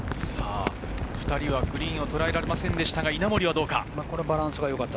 ２人はグリーンをとらえられませんでしたが、稲森はどうか？